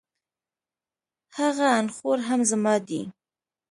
هغه انخورهم زما دی